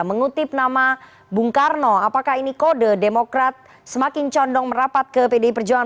mengutip nama bung karno apakah ini kode demokrat semakin condong merapat ke pdi perjuangan